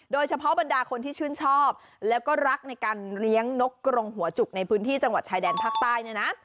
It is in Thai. โดยเฉพาะบรรดาคนที่ชื่นชอบแล้วก็รักในการเลี้ยงนกกรงหัวจุกในพื้นที่จังหวัดชายแดนภาคใต้เนี่ยนะ